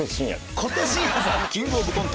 『キングオブコント』